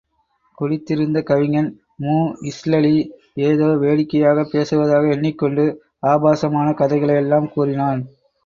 குடித்திருந்த கவிஞன் மூஇஸ்ளலி, ஏதோ வேடிக்கையாகப் பேசுவதாக எண்ணிக் கொண்டு ஆபாசமான கதைகளை யெல்லாம் கூறினான்.